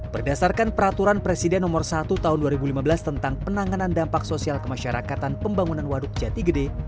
berdasarkan peraturan presiden nomor satu tahun dua ribu lima belas tentang penanganan dampak sosial kemasyarakatan pembangunan waduk jati gede